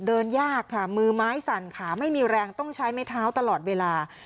เดินยากค่ะมือไม้สั่นขาไม่มีแรงต้องใช้ไม้เท้าตลอดเวลา